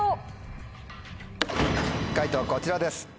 解答こちらです。